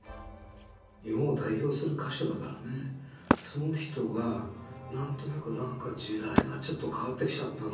日本を代表する歌手だからね、その人が、なんとなく、なんか時代がちょっと変わってきちゃったな。